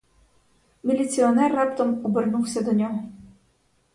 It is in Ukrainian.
Міліціонер раптом обернувся до нього.